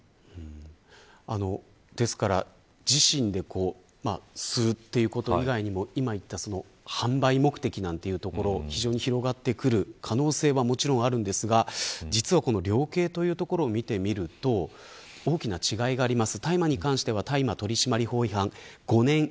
ですから、自身で吸うということ以外にも今言ったような販売目的というところ非常に広がってくる可能性はありますが実はこの量刑というところを見ると大きな違いがあります。